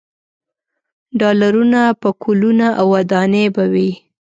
ډالرونه، پکولونه او ودانۍ به وي.